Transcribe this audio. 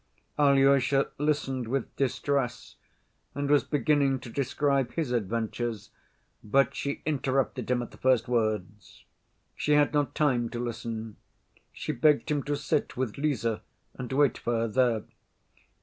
Alyosha listened with distress, and was beginning to describe his adventures, but she interrupted him at the first words. She had not time to listen. She begged him to sit with Lise and wait for her there.